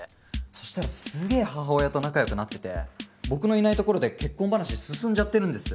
そしたらすげぇ母親と仲良くなってて僕のいないところで結婚話進んじゃってるんです。